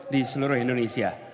di seluruh indonesia